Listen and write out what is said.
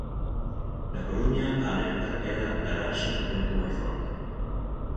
Na Coruña a alerta era laranxa por vento moi forte.